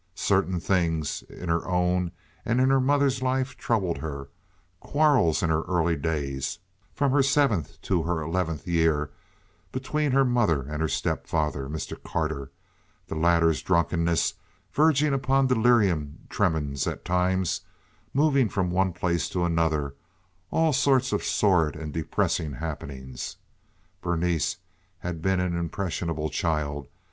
Certain things in her own and in her mother's life troubled her—quarrels in her early days, from her seventh to her eleventh year, between her mother and her stepfather, Mr. Carter; the latter's drunkenness verging upon delirium tremens at times; movings from one place to another—all sorts of sordid and depressing happenings. Berenice had been an impressionable child.